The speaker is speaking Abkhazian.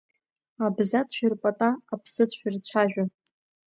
Абза дшәырпата, аԥсы дшәырцәажәа…